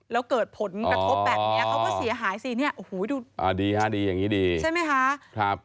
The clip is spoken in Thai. แล้วเกิดผลกระทบแบบนี้เขาก็เสียหายสิดูดีดีอย่างนี้ดีใช่ไหมคะ